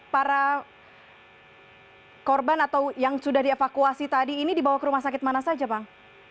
para korban atau yang sudah dievakuasi tadi ini dibawa ke rumah sakit mana saja bang